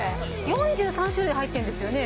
４３種類入ってるんですよね？